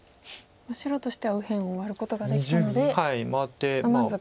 白としては右辺をワルことができたので満足と。